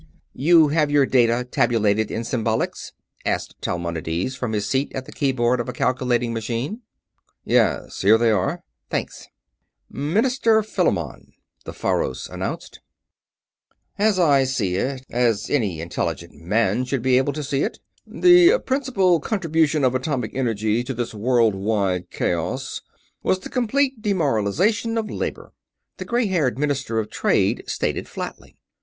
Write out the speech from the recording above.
"You have your data tabulated in symbolics?" asked Talmonides, from his seat at the keyboard of a calculating machine. "Yes. Here they are." "Thanks." "Minister Philamon," the Faros announced. "As I see it as any intelligent man should be able to see it the principal contribution of atomic energy to this worldwide chaos was the complete demoralization of labor," the gray haired Minister of Trade stated, flatly.